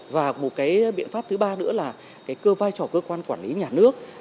và một cái biện pháp thứ ba nữa là cái vai trò cơ quan quản lý nhà nước